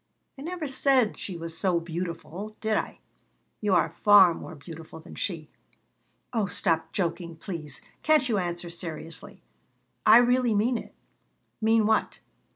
"I never said she was 'so beautiful,' did I? You are far more beautiful than she." "Oh, stop joking, please! Can't you answer seriously?" "I really mean it." "Mean what?"